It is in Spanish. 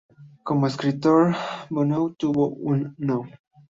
Como escritor, Boone tuvo un No.